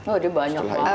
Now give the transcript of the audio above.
oh udah banyak